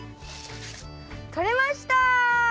とれました！